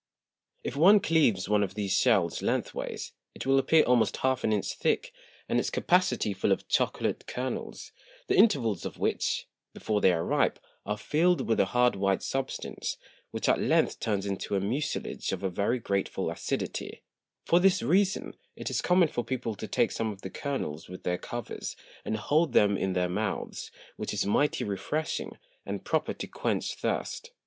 If one cleaves one of these Shells length ways, it will appear almost half an Inch thick, and its Capacity full of Chocolate Kernels; the Intervals of which, before they are ripe, are fill'd with a hard white Substance, which at length turns into a Mucilage of a very grateful Acidity: For this reason, it is common for People to take some of the Kernels with their Covers, and hold them in their Mouths, which is mighty refreshing, and proper to quench Thirst.